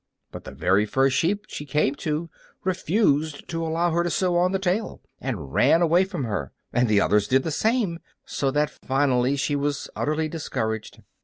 But the very first sheep she came to refused to allow her to sew on the tail, and ran away from her, and the others did the same, so that finally she was utterly discouraged.